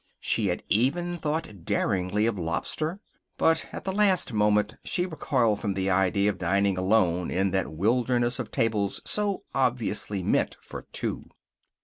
She had even thought daringly of lobster. But at the last moment she recoiled from the idea of dining alone in that wilderness of tables so obviously meant for two.